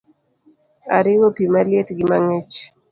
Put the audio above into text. Ariwo pi maliet gi mang’ich